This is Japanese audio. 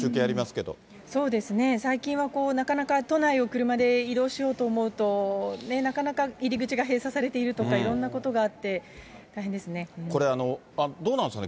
そうですね、最近はなかなか都内を車で移動しようと思うと、なかなか入り口が閉鎖されているとか、いろんなことがあって大変これ、どうなんですかね？